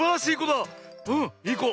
うんいいこ。